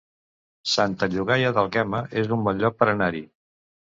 Santa Llogaia d'Àlguema es un bon lloc per anar-hi